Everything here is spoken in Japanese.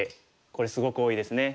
これすごく多いですね。